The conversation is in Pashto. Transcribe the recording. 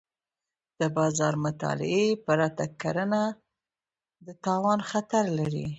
د بازار مطالعې پرته کرنه د تاوان خطر لري.